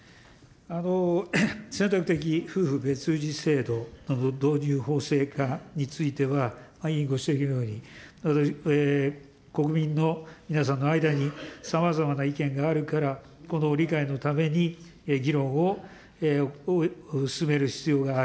選択的夫婦別氏制度の導入法制化については、委員ご指摘のように、国民の皆さんの間にさまざまな意見があるから、この理解のために、議論を進める必要がある。